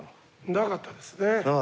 なかったですか。